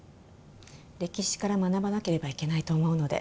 歴史から学ばなければいけないと思うので。